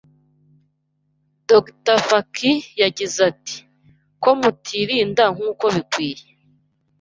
Dr Fauci yagize ati ko mutirinda nkuko bikwiye